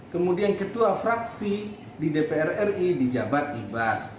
kemudian ketua fraksi di dpr ri di jabat ibas